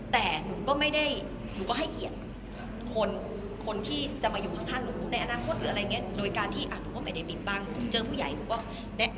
แต่หนูก็ให้เกียรติคนที่จะมาอยู่ข้างหนูในอนาคต